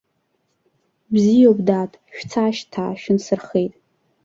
Бзиоуп, дад, шәца шьҭа, шәынсырхеит.